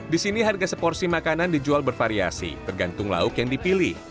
di sini harga seporsi makanan dijual bervariasi tergantung lauk yang dipilih